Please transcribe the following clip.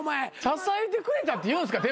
支えてくれたって言うんすか？